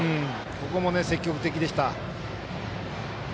ここも積極的でした。